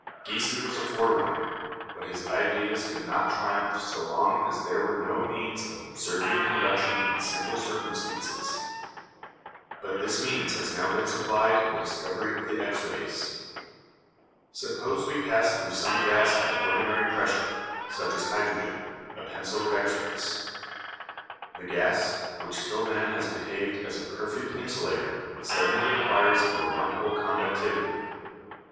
Giese was a forerunner, but his ideas could not triumph so long as there were no means of observing conduction in simple circumstances. But this means has now been supplied in the discovery of the X rays. Suppose we pass through some gas at ordinary pressure, such as hydrogen, a pencil of X rays. The gas, which till then has behaved as a perfect insulator, suddenly acquires a remarkable conductivity.